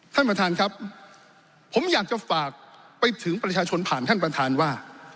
ท่านประธานครับผมอยากจะฝากไปถึงประชาชนผ่านท่านประธานว่า